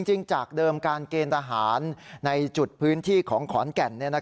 จริงจากเดิมการเกณฑ์ทหารในจุดพื้นที่ของขอนแก่น